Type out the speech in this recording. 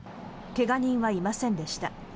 怪我人はいませんでした。